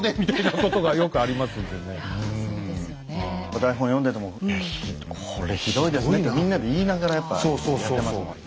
台本読んでても「これひどいですね」ってみんなで言いながらやっぱやってますもんね。